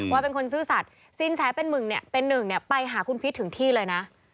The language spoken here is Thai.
ว่าเป็นคนซื่อสัตว์สินแสเป็นมึงเนี่ยเป็นหนึ่งเนี่ยไปหาคุณพิษถึงที่เลยนะ